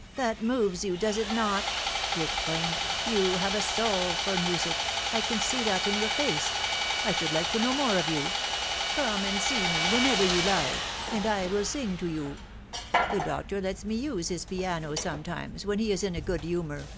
" That moves you, does it not ?" she exclaimed. " You have a soul for music. I can see that in your face. I should like to know more of you. Gome and see me whenever you like, and i 250 The Fatal Three. will sing to yon. The doctor lets me use his piano sometimes, when he is in a good humour."